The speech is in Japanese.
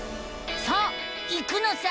さあ行くのさ！